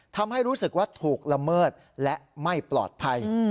ทำให้รู้สึกว่าถูกละเมิดและไม่ปลอดภัย